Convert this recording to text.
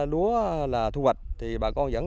lúa thu hoạch thì bà con vẫn